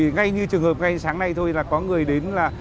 ngay như trường hợp ngay sáng nay thôi là có người đến là